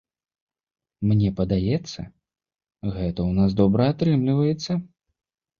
Мне падаецца, гэта ў нас добра атрымліваецца!